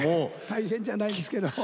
大変じゃないんですけども。